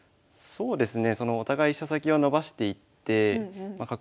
そうですね。